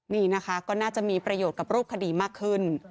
นี่นะคะก็น่าจะมีประโยชน์กับรูปคดีมากขึ้น